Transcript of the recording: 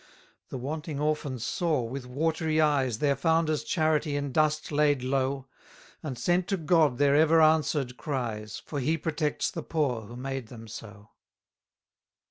274 The wanting orphans saw, with watery eyes, Their founder's charity in dust laid low; And sent to God their ever answered cries, For He protects the poor, who made them so.